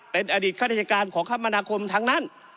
เป็นอดีตข้าราชการของคมนาคมทั้งนั้น